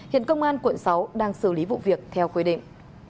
hiện công an quận sáu đang xử lý vụ việc theo quy định